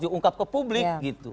diungkap ke publik